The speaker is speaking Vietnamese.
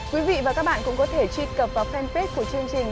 quý vị và các bạn cũng có thể truy cập vào fanpage của chương trình